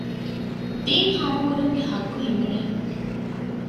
ދީން ހާމަކުރުމުގެ ޙައްޤު ހިމެނޭ